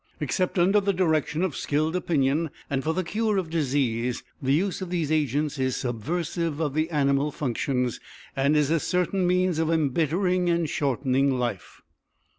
Except under the direction of skilled opinion and for the cure of disease, the use of these agents is subversive of the animal functions, and is a certain means of embittering and shortening life.